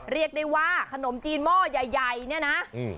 เรียกได้ว่าขนมจีนหม้อใหญ่ใหญ่เนี่ยนะ